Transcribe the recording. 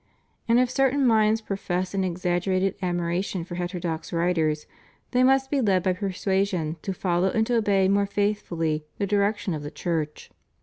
And if certain minds profess an exaggerated admiration for heterodox writers, they must be led by per suasion to follow and to obey more faithfully the direc tion of the Church.